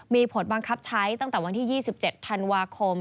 มีผลบังคับใช้ตั้งแต่วันที่๒๗ธันวาคม